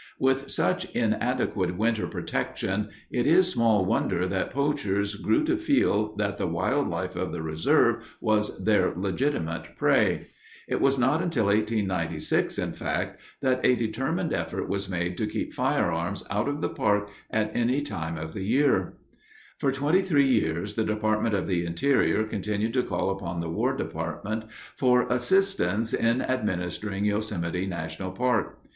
With such inadequate winter protection, it is small wonder that poachers grew to feel that the wild life of the reserve was their legitimate prey. It was not until 1896, in fact, that a determined effort was made to keep firearms out of the park at any time of the year. For twenty three years the Department of the Interior continued to call upon the War Department for assistance in administering Yosemite National Park.